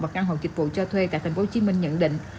và căn hộ dịch vụ cho thuê tại tp hcm nhận định